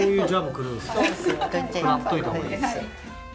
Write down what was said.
食らっといた方がいいですね。